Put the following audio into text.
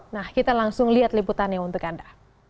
nah kita langsung lihat liputannya untuk anda